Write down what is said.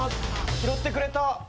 拾ってくれた。